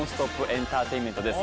・エンターテインメントです